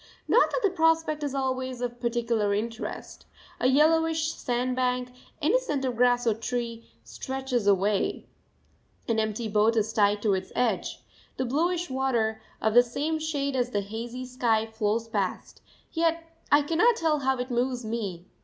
Not that the prospect is always of particular interest a yellowish sandbank, innocent of grass or tree, stretches away; an empty boat is tied to its edge; the bluish water, of the same shade as the hazy sky, flows past; yet I cannot tell how it moves me.